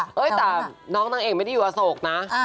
แต่น้องนางเอกไม่ได้อยู่อโศกนะ